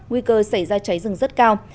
nguy cơ xảy ra cháy rừng rất cao